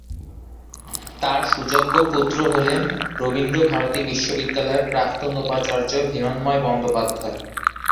তাঁর সুযোগ্য পুত্র হলেন রবীন্দ্র ভারতী বিশ্ববিদ্যালয়ের প্রাক্তন উপাচার্য হিরণ্ময় বন্দ্যোপাধ্যায়।